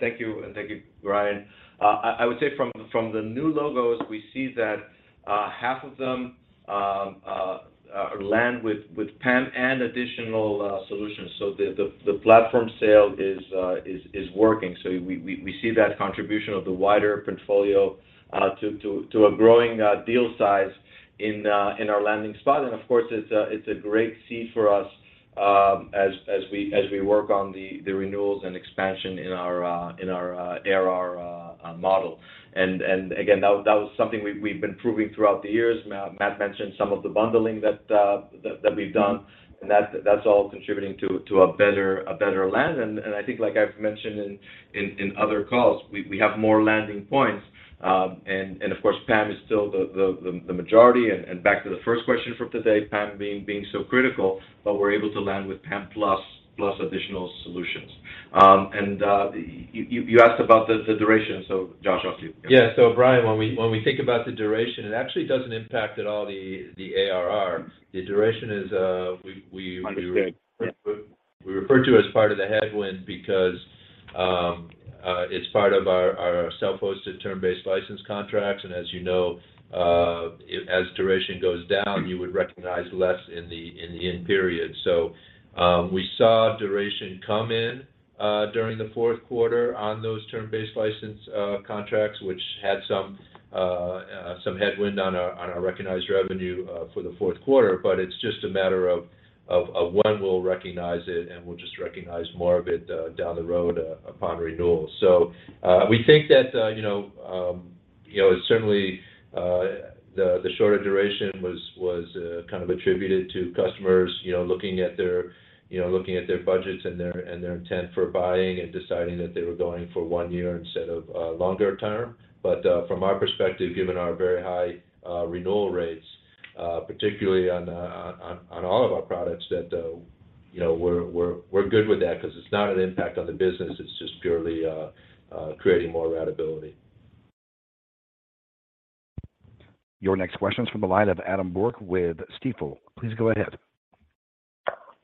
Thank you, and thank you, Brian. I would say from the new logos, we see that half of them land with PAM and additional solutions. The platform sale is working. We see that contribution of the wider portfolio to a growing deal size in our landing spot. Of course, it's a great seed for us as we work on the renewals and expansion in our ARR model. Again, that was something we've been proving throughout the years. Matt mentioned some of the bundling that we've done, and that's all contributing to a better land. I think like I've mentioned in other calls, we have more landing points. Of course, PAM is still the majority. Back to the first question from today, PAM being so critical, but we're able to land with PAM plus additional solutions. You asked about the duration, so Josh, off to you. Yeah. Brian, when we think about the duration, it actually doesn't impact at all the ARR. The duration is— Understood. Yeah We refer to as part of the headwind because it's part of our self-hosted term-based license contracts. As you know, as duration goes down, you would recognize less in the end period. We saw duration come in during the fourth quarter on those term-based license contracts, which had some headwind on our recognized revenue for the fourth quarter. It's just a matter of when we'll recognize it, and we'll just recognize more of it down the road upon renewal. We think that, you know, certainly, the shorter duration was kind of attributed to customers, you know, looking at their, you know, looking at their budgets and their, and their intent for buying and deciding that they were going for one year instead of longer term. From our perspective, given our very high renewal rates, particularly on all of our products that, you know, we're good with that 'cause it's not an impact on the business. It's just purely creating more ratability. Your next question's from the line of Adam Borg with Stifel. Please go ahead.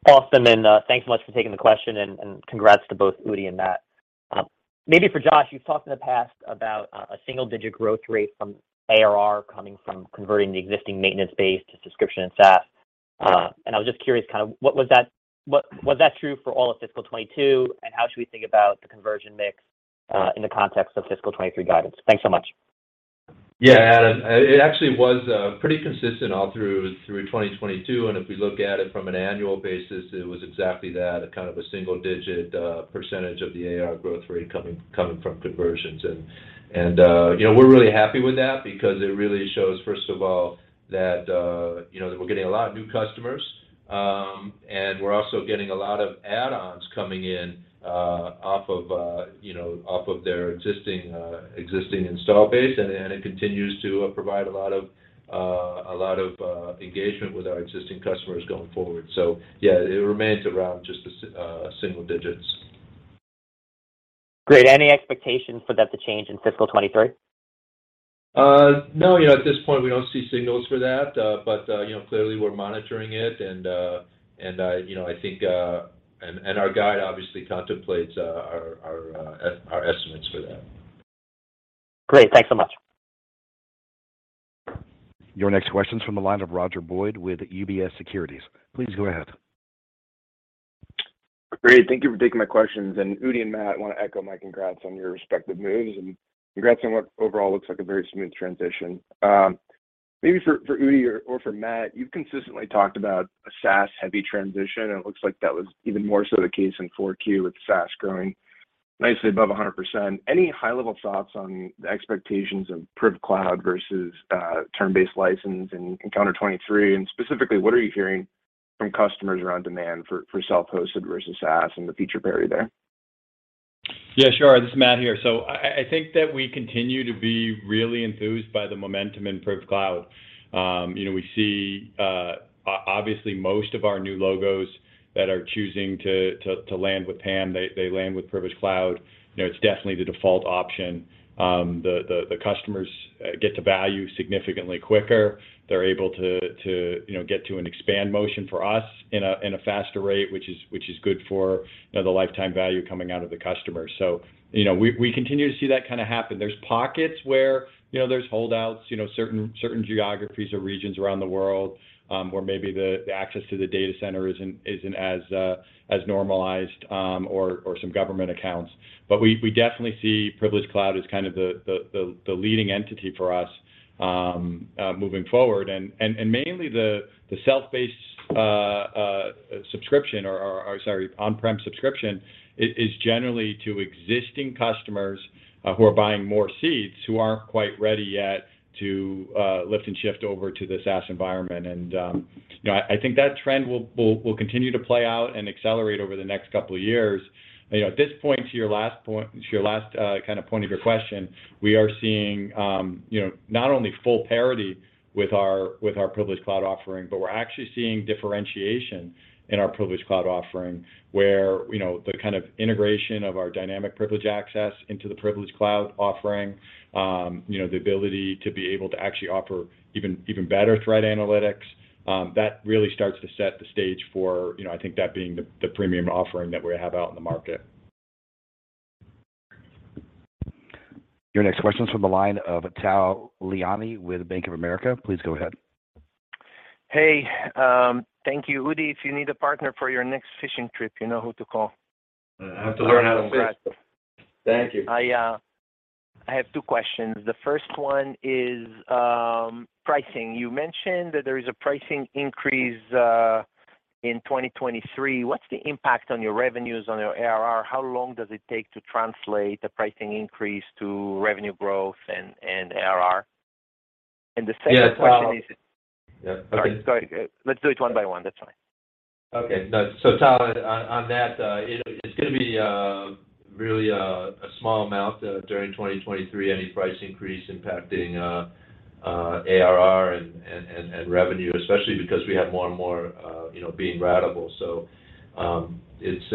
Awesome. Thanks so much for taking the question, and congrats to both Udi and Matt. Maybe for Josh, you've talked in the past about a single-digit growth rate from ARR coming from converting the existing maintenance base to subscription and SaaS. I was just curious kind of what was that true for all of fiscal 2022, and how should we think about the conversion mix in the context of fiscal 2023 guidance? Thanks so much. Yeah, Adam. It actually was pretty consistent all through 2022. If we look at it from an annual basis, it was exactly that, a single digit percentage of the ARR growth rate coming from conversions. you know, we're really happy with that because it really shows, first of all, that, you know, that we're getting a lot of new customers. We're also getting a lot of add-ons coming in off of, you know, off of their existing install base. It continues to provide a lot of engagement with our existing customers going forward. Yeah, it remains around just a single digits. Great. Any expectations for that to change in fiscal 2023? No. You know, at this point, we don't see signals for that. But, you know, clearly we're monitoring it. Our guide obviously contemplates, our estimates for that. Great. Thanks so much. Your next question's from the line of Roger Boyd with UBS Securities. Please go ahead. Great. Thank you for taking my questions. Udi and Matt, wanna echo my congrats on your respective moves, and congrats on what overall looks like a very smooth transition. Maybe for Udi or for Matt, you've consistently talked about a SaaS-heavy transition, and it looks like that was even more so the case in Q4 with SaaS growing nicely above 100%. Any high-level thoughts on the expectations of Privileged Cloud versus term-based license in calendar 2023? Specifically, what are you hearing from customers around demand for self-hosted versus SaaS and the feature parity there? Yeah, sure. This is Matt here. I think that we continue to be really enthused by the momentum in Privileged Cloud. You know, we see, obviously most of our new logos. That are choosing to land with PAM, they land with Privilege Cloud. You know, it's definitely the default option. The customers get to value significantly quicker. They're able to, you know, get to an expand motion for us in a faster rate, which is good for, you know, the lifetime value coming out of the customer. You know, we continue to see that kind of happen. There's pockets where, you know, there's holdouts, you know, certain geographies or regions around the world, where maybe the access to the data center isn't as normalized, or some government accounts. We definitely see Privilege Cloud as kind of the leading entity for us moving forward. Mainly the self-hosted subscription or sorry, on-prem subscription is generally to existing customers who are buying more seats who aren't quite ready yet to lift and shift over to the SaaS environment. You know, I think that trend will continue to play out and accelerate over the next couple of years. You know, at this point, to your last point, to your last, kind of point of your question, we are seeing, you know, not only full parity with our, with our Privilege Cloud offering, but we're actually seeing differentiation in our Privilege Cloud offering, where, you know, the kind of integration of our Dynamic Privileged Access into the Privilege Cloud offering, you know, the ability to be able to actually offer even better threat analytics, that really starts to set the stage for, you know, I think that being the premium offering that we have out in the market. Your next question's from the line of Tal Liani with Bank of America. Please go ahead. Hey, thank you. Udi, if you need a partner for your next fishing trip, you know who to call. I have to learn how to fish. Thank you. I have two questions. The first one is pricing. You mentioned that there is a pricing increase in 2023. What's the impact on your revenues, on your ARR? How long does it take to translate the pricing increase to revenue growth and ARR? The second question is— Yeah. Well... Yeah, okay. Sorry. Let's do it one by one. That's fine. Okay. Tal, on that, it's gonna be, really a small amount, during 2023, any price increase impacting ARR and revenue, especially because we have more and more, you know, being ratable. Well, it's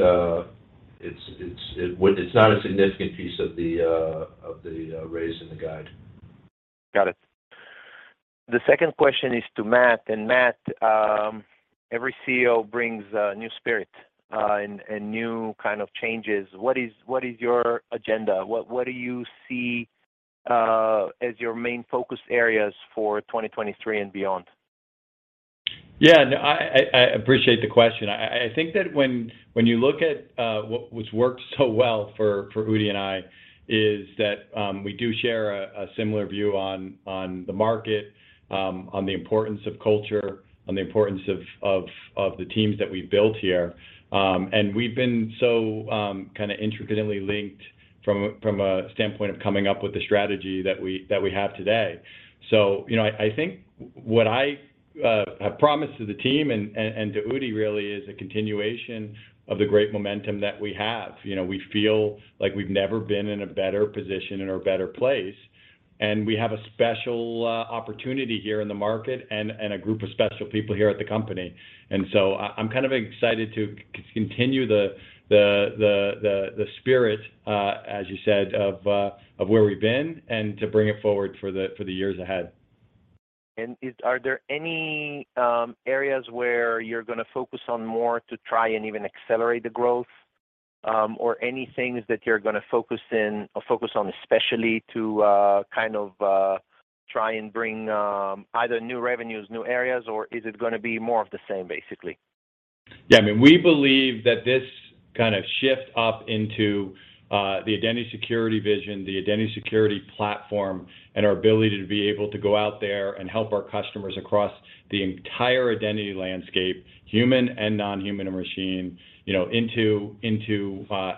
not a significant piece of the raise in the guide. Got it. The second question is to Matt. Matt, every CEO brings a new spirit, and new kind of changes. What is your agenda? What do you see, as your main focus areas for 2023 and beyond? Yeah. No, I appreciate the question. I think that when you look at what's worked so well for Udi and I is that we do share a similar view on the market, on the importance of culture, on the importance of the teams that we've built here. And we've been so kinda intricately linked from a standpoint of coming up with the strategy that we have today. You know, I think what I have promised to the team and to Udi really is a continuation of the great momentum that we have. You know, we feel like we've never been in a better position and a better place, and we have a special opportunity here in the market and a group of special people here at the company. I'm kind of excited to continue the spirit, as you said, of where we've been and to bring it forward for the years ahead. Are there any areas where you're gonna focus on more to try and even accelerate the growth, or any things that you're gonna focus in or focus on, especially to kind of try and bring either new revenues, new areas, or is it gonna be more of the same, basically? Yeah. I mean, we believe that this kind of shift up into the Identity Security vision, the Identity Security Platform, and our ability to be able to go out there and help our customers across the entire identity landscape, human and non-human and machine, you know, into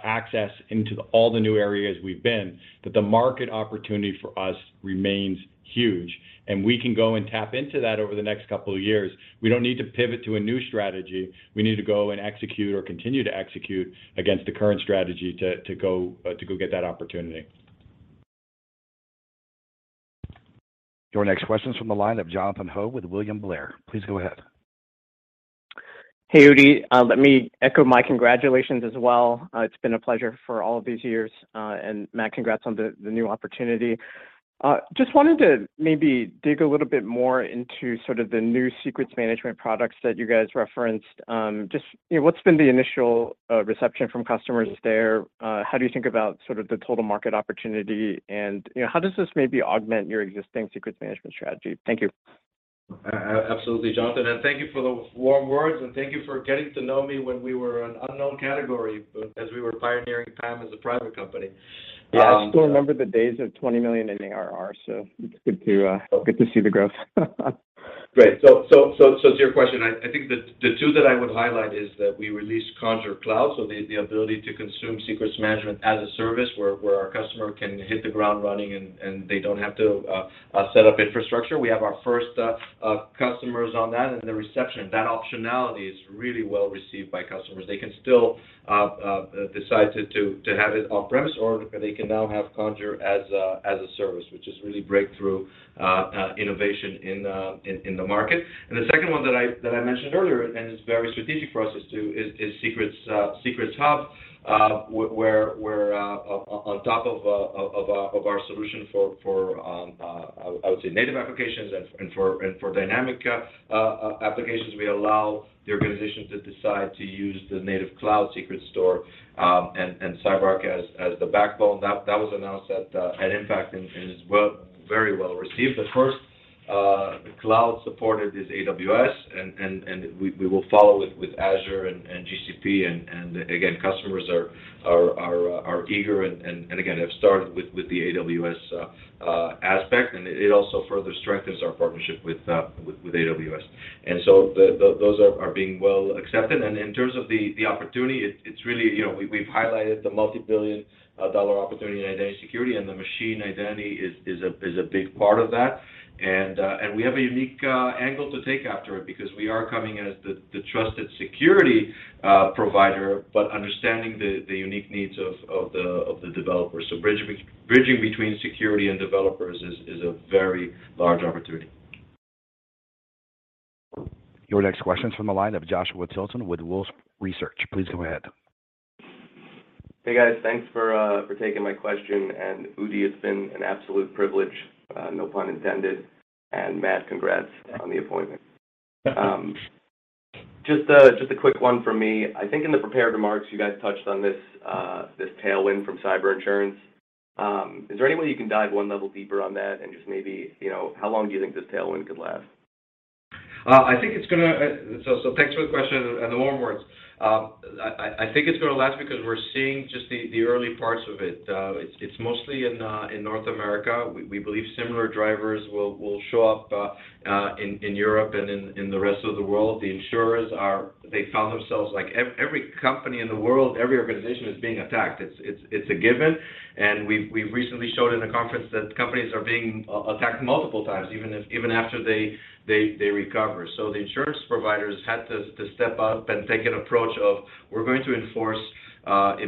access, into all the new areas we've been, that the market opportunity for us remains huge, and we can go and tap into that over the next couple of years. We don't need to pivot to a new strategy. We need to go and execute or continue to execute against the current strategy to go get that opportunity. Your next question's from the line of Jonathan Ho with William Blair. Please go ahead. Hey, Udi. Let me echo my congratulations as well. It's been a pleasure for all of these years. Matt, congrats on the new opportunity. Just wanted to maybe dig a little bit more into sort of the new Secrets Management products that you guys referenced. Just, you know, what's been the initial reception from customers there? How do you think about sort of the total market opportunity? You know, how does this maybe augment your existing Secrets Management strategy? Thank you. Absolutely, Jonathan. And thank you for those warm words, and thank you for getting to know me when we were an unknown category as we were pioneering PAM as a private company. Yeah. I still remember the days of $20 million in ARR, so it's good to good to see the growth. Great. To your question, I think the two that I would highlight is that we released Conjur Cloud, so the ability to consume Secrets Management as a service where our customer can hit the ground running and they don't have to set up infrastructure. We have our first customers on that. The reception, that optionality is really well received by customers. They can still decide to have it on-premise or they can now have Conjur as a service, which is really breakthrough innovation in the market. The second one that I mentioned earlier, and is very strategic for us is secrets, Secrets Hub, where on top of our solution for I would say native applications and for dynamic applications, we allow the organization to decide to use the native cloud secret store, and CyberArk as the backbone. That was announced at IMPACT and is very well received. The first cloud supported is AWS and we will follow it with Azure and GCP, and again, customers are eager and again, have started with the AWS aspect. It also further strengthens our partnership with AWS. Those are being well accepted. In terms of the opportunity, it's really, you know, we've highlighted the multi-billion dollar opportunity in identity security, and the machine identity is a big part of that. We have a unique angle to take after it because we are coming as the trusted security provider, but understanding the unique needs of the developers. Bridging between security and developers is a very large opportunity. Your next question is from the line of Joshua Tilton with Wolfe Research. Please go ahead. Hey, guys. Thanks for taking my question. Udi, it's been an absolute privilege, no pun intended. Matt, congrats on the appointment. Just a quick one for me. I think in the prepared remarks you guys touched on this tailwind from cyber insurance. Is there any way you can dive one level deeper on that and just maybe, you know, how long do you think this tailwind could last? Thanks for the question and the warm words. I think it's gonna last because we're seeing just the early parts of it. It's mostly in North America. We believe similar drivers will show up in Europe and in the rest of the world. They found themselves like every company in the world, every organization is being attacked. It's a given. We've recently showed in a conference that companies are being attacked multiple times, even after they recover. The insurance providers had to step up and take an approach of, "We're going to enforce,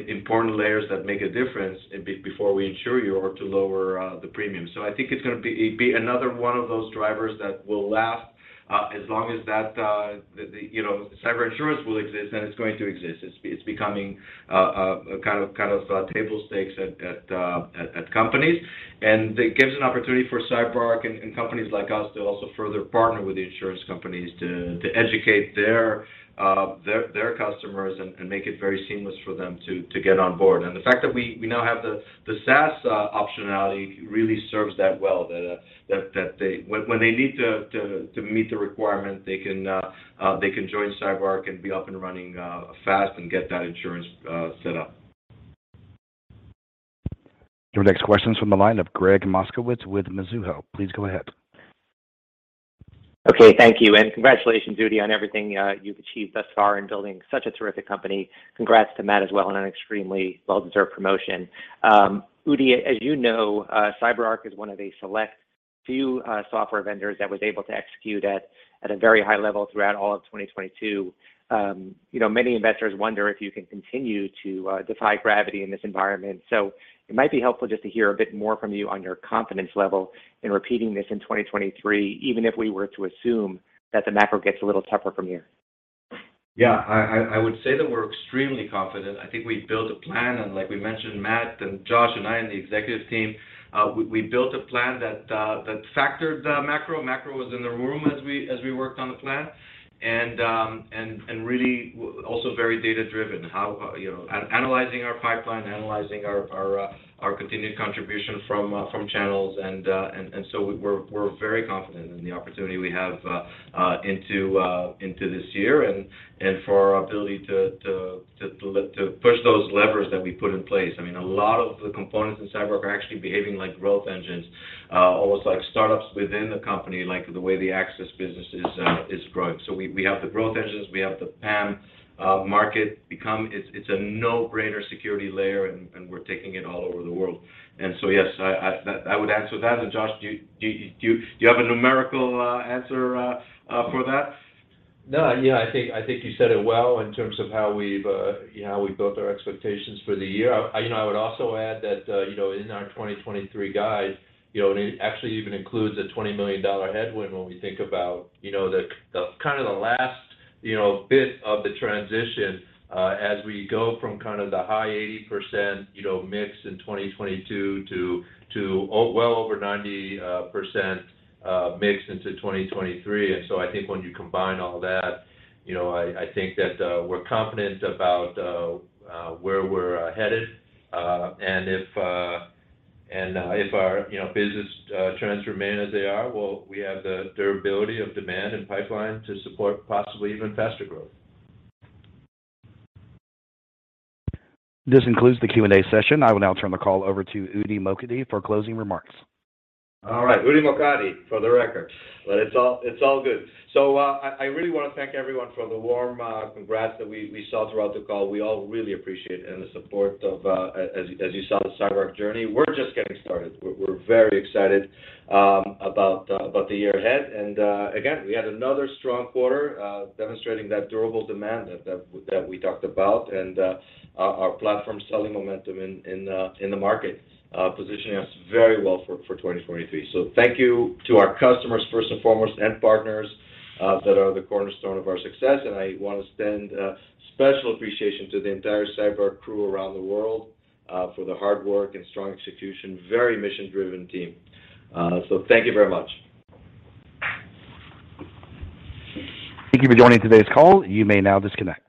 important layers that make a difference before we insure you or to lower, the premium." I think it's gonna be another one of those drivers that will last as long as that, you know, cyber insurance will exist, and it's going to exist. It's becoming a kind of table stakes at companies. It gives an opportunity for CyberArk and companies like us to also further partner with the insurance companies to educate their customers and make it very seamless for them to get on board. The fact that we now have the SaaS optionality really serves that well. That they... When they need to meet the requirement, they can join CyberArk and be up and running, fast and get that insurance, set up. Your next question is from the line of Gregg Moskowitz with Mizuho. Please go ahead. Okay. Thank you. Congratulations, Udi, on everything you've achieved thus far in building such a terrific company. Congrats to Matt as well on an extremely well-deserved promotion. Udi, as you know, CyberArk is one of a select few software vendors that was able to execute at a very high level throughout all of 2022. You know, many investors wonder if you can continue to defy gravity in this environment. It might be helpful just to hear a bit more from you on your confidence level in repeating this in 2023, even if we were to assume that the macro gets a little tougher from here. Yeah. I would say that we're extremely confident. I think we built a plan, and like we mentioned, Matt and Josh and I and the executive team, we built a plan that factored the macro. Macro was in the room as we worked on the plan. Really also very data-driven. How, you know. Analyzing our pipeline, analyzing our continued contribution from channels. So we're very confident in the opportunity we have into this year and for our ability to push those levers that we put in place. I mean, a lot of the components in CyberArk are actually behaving like growth engines, almost like startups within the company, like the way the access business is growing. We have the growth engines, we have the PAM market become... It's a no-brainer security layer and we're taking it all over the world. Yes, I would answer that. Josh, do you have a numerical answer for that? No. Yeah, I think you said it well in terms of how we've, you know, how we've built our expectations for the year. I, you know, I would also add that, you know, in our 2023 guide, you know, it actually even includes a $20 million headwind when we think about, you know, the kind of the last, you know, bit of the transition as we go from kind of the high 80% mix in 2022 to well over 90% mix into 2023. I think when you combine all that, you know, I think that we're confident about where we're headed. If our, you know, business trends remain as they are, we have the durability of demand and pipeline to support possibly even faster growth. This concludes the Q&A session. I will now turn the call over to Udi Mokady for closing remarks. All right. Udi Mokady for the record, it's all good. I really wanna thank everyone for the warm congrats that we saw throughout the call. We all really appreciate it and the support of as you saw, the CyberArk journey. We're just getting started. We're very excited about the year ahead. Again, we had another strong quarter demonstrating that durable demand that we talked about and our platform selling momentum in the market, positioning us very well for 2023. Thank you to our customers first and foremost, and partners that are the cornerstone of our success. I want to extend special appreciation to the entire CyberArk crew around the world for the hard work and strong execution. Very mission-driven team. Thank you very much. Thank you for joining today's call. You may now disconnect.